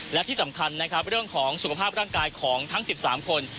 และที่สำคัญนะครับเรื่องของสุขภาพร่างกายของทั้ง๑๓คน